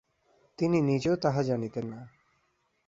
তিনি নিজেও তাহা জানিতেন না।